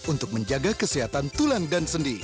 untuk menjaga kesehatan tulang dan sendi